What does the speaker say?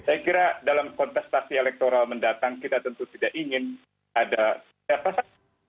saya kira dalam kontestasi elektoral mendatang kita tentu tidak ingin ada siapa saja